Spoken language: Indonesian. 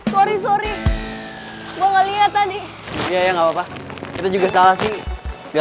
sorry sorry gue liat tadi ya nggak papa kita juga salah sih